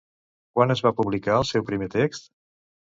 Quan es va publicar el seu primer text?